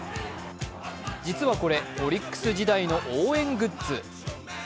実はこれ、オリックス時代の応援グッズ。